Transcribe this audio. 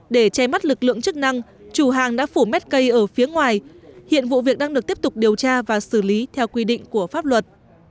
để che mắt lực lượng chức năng chủ hàng đã phủ mét cây ở phía ngoài hiện vụ việc đang được tiếp tục điều tra và xử lý theo quy định của pháp luật